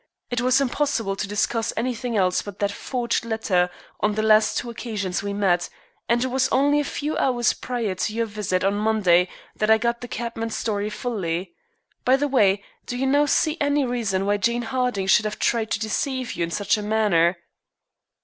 It was impossible to discuss anything else but that forged letter on the last two occasions we met, and it was only a few hours prior to your visit on Monday that I got the cabman's story fully. By the way, do you now see any reason why Jane Harding should have tried to deceive you in such a manner?"